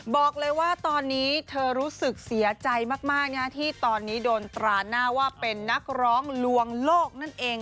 บอกเลยว่าตอนนี้เธอรู้สึกเสียใจมากที่ตอนนี้โดนตราหน้าว่าเป็นนักร้องลวงโลกนั่นเอง